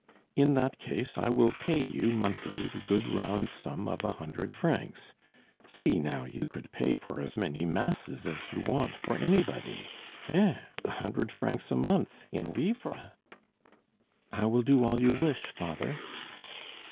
In that case I will pay you monthly the good round sum of a hundred francs. See, now, you could pay for as many masses as you want for anybody Hein! a hundred francs a month in livres?" "I will do all you wish, father."